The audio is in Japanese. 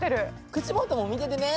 口元も見ててね。